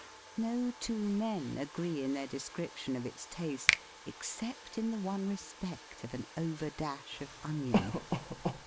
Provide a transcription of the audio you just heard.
No two men agree in their description of its taste, except in the one respect of an over dash of onion.